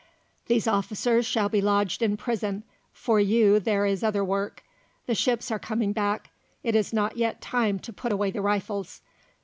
These officers shall be lodged in prison; for you there is other work. The ships are coming back; it is not yet time to put away the rifles.